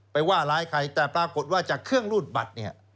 ว่าร้ายใครแต่ปรากฏว่าจากเครื่องรูดบัตรเนี่ย